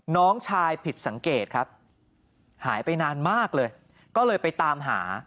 น้องชายผิดสังเกตครับหายไปนานมากเลยก็เลยไปตามหา